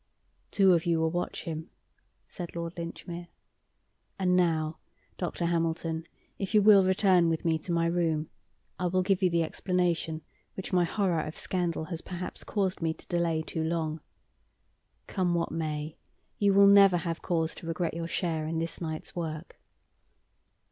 "Two of you will watch him," said Lord Linchmere. "And now, Dr. Hamilton, if you will return with me to my room, I will give you the explanation which my horror of scandal has perhaps caused me to delay too long. Come what may, you will never have cause to regret your share in this night's work.